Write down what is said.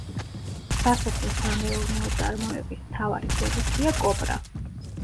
სასოფლო სამეურნეო წარმოების მთავარი პროდუქტია კოპრა.